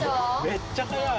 めっちゃ速い。